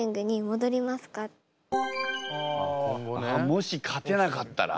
もし勝てなかったら？